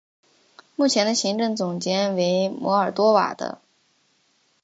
目前的行政总监为摩尔多瓦的。